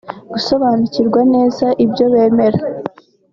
gusobanukirwa neza ibyo bemera